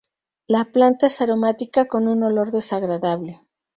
La planta es aromática, con un olor desagradable.